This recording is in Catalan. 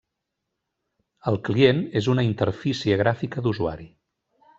El client és una interfície gràfica d'usuari.